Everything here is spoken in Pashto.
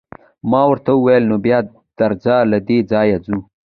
ما ورته وویل: نو بیا درځه، له دې ځایه ځو.